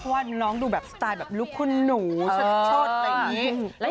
เพราะว่าน้องดูแบบสไตล์แบบลูกคุณหนูชอบแต่ง